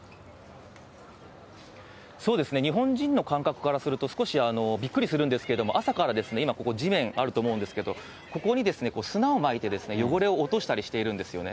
そうですね、日本人の感覚からすると少しびっくりするんですけれども、朝から今ここ、地面あると思うんですけど、ここに砂をまいて汚れを落としたりしてるんですよね。